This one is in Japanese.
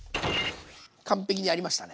完璧にありましたね。